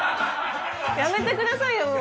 やめてくださいよ。